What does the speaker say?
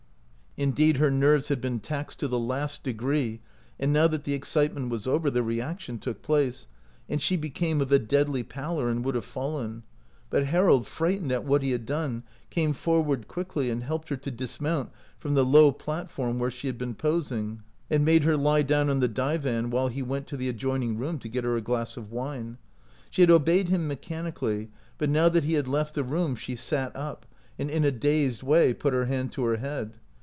Indeed, her nerves had been taxed to the last degree, and now that the excitement was over the reaction took place, and she became of a deadly pallor and would have fallen; but Harold, frightened at what he had done, came forward quickly and helped her to dismount from the low platform where 119 OUT OF BOHEMIA she had been posing, and made her lie down on the divan while he went to the adjoining room to get her a glass of wine. She had obeyed him mechanically, but now that he had left the room she sat up, and in a dazed way put her hand to her head.